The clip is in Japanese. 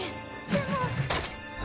でも。